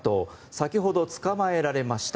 先ほど捕まえられました。